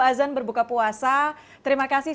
azan berbuka puasa terima kasih